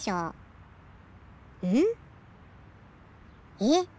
えっ！？